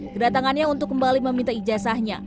kedatangannya untuk kembali meminta ijazahnya